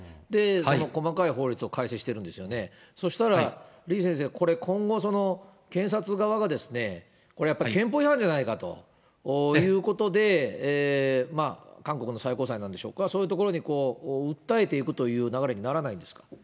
その細かい法律を改正してるんですよね、そうしたら、李先生、これ今後、検察側がこれやっぱり憲法違反じゃないかということで、韓国の最高裁なんでしょうか、そういうところに訴えていくという流れにならないんですか？